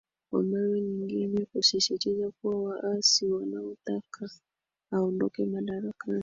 kwa mara nyingine kusisitiza kuwa waasi wanaotaka aondoke madarakani